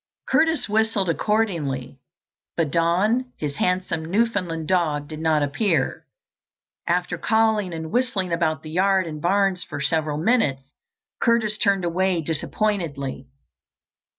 Curtis whistled accordingly, but Don, his handsome Newfoundland dog, did not appear. After calling and whistling about the yard and barns for several minutes, Curtis turned away disappointedly.